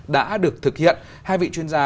đã được thực hiện hai vị chuyên gia